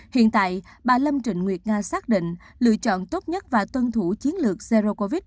hiện tại bà lâm trịnh nguyệt nga xác định lựa chọn tốt nhất và tuân thủ chiến lược zero covid